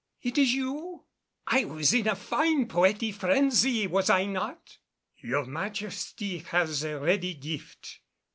"It is you? I was in a fine poetic frenzy, was I not?" "Your Majesty has a ready gift."